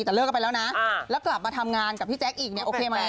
แต่เลิกกันไปแล้วนะแล้วกลับมาทำงานกับพี่แจ๊คอีกเนี่ยโอเคไหม